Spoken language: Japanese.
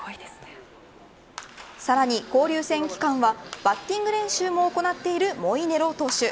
さらに交流戦期間はバッティング練習も行っているモイネロ投手。